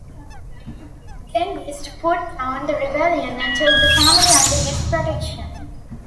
Genghis put down the rebellion and took the family under his protection.